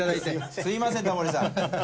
すいませんタモリさん。